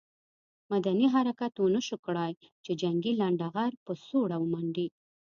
مدني حرکت ونه شو کړای چې جنګي لنډه غر په سوړه ومنډي.